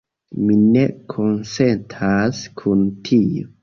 Mi ne konsentas kun tio.